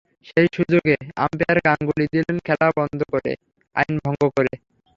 সেই সুযোগে আম্পায়ার গাঙ্গুলী দিলেন খেলা বন্ধ করে, আইন ভঙ্গ করে।